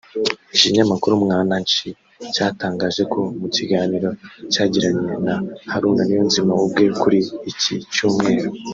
Ikinyamakuru Mwananchi cyatangaje ko mu kiganiro cyagiranye na Haruna Niyonzima ubwe kuri iki Cyumweru